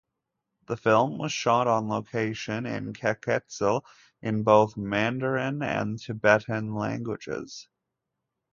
The film was shot on location in Kekexili, in both Mandarin and Tibetan languages.